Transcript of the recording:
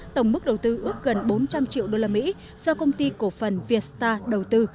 tổng mức đầu tư ước gần bốn trăm linh triệu usd do công ty cổ phần vietstar đầu tư